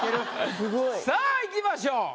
さあいきましょう。